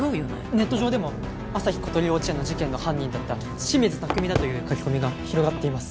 ネット上でも朝日ことり幼稚園の事件の犯人だった清水拓海だという書き込みが広がっています